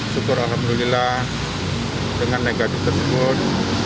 syukur alhamdulillah dengan negatif tersebut